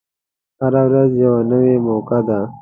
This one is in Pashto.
هره ورځ یوه نوی موقع ده.